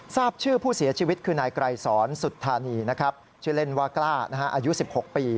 ทราบชื่อผู้เสียชีวิตคือนายไกรสอนสุธานีนะครับชื่อเล่นว่ากล้าอายุ๑๖ปี